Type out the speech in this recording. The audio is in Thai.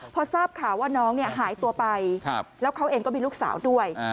พอทราบข่าวว่าน้องหายตัวไปแล้วเขาเองก็มีลูกสาวด้วย